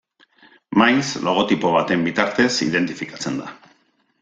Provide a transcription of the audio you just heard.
Maiz, logotipo baten bitartez identifikatzen da.